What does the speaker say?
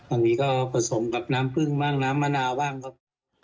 อันนี้ก็ผสมกับน้ำพึ่งบ้างน้ำมะนาวบ้างครับ